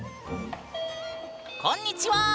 こんにちは！